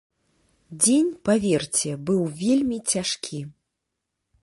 Дзень, паверце, быў вельмі цяжкі.